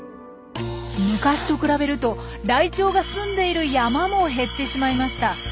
昔と比べるとライチョウがすんでいる山も減ってしまいました。